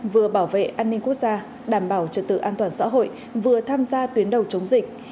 vừa bảo vệ an ninh quốc gia đảm bảo trật tự an toàn xã hội vừa tham gia tuyến đầu chống dịch